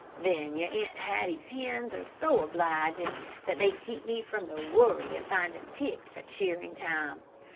Then your Aunt Hattie's hens are so obliging that they keep me from the worry of finding ticks at shearing time.